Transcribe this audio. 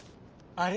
あれ？